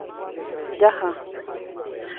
Jaha.